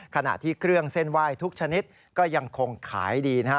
ขณะที่เครื่องเส้นไหว้ทุกชนิดก็ยังคงขายดีนะฮะ